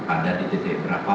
ada di titik berapa